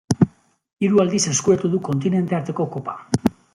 Hiru aldiz eskuratu du Kontinente arteko kopa.